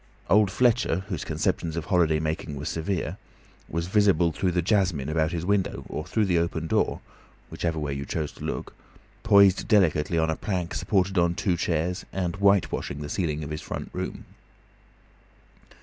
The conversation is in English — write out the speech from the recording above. Old Fletcher, whose conceptions of holiday making were severe, was visible through the jasmine about his window or through the open door (whichever way you chose to look), poised delicately on a plank supported on two chairs, and whitewashing the ceiling of his front room.